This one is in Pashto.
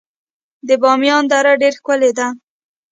د بامیان دره ډیره ښکلې ده